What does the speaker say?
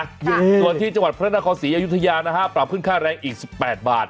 ส่วนที่จังหวัดพระนครศรีอยุธยานะฮะปรับขึ้นค่าแรงอีก๑๘บาท